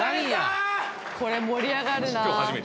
「これ盛り上がるな」